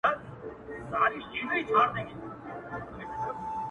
• بیا مي پورته له ګودره د پاولیو شرنګهار کې -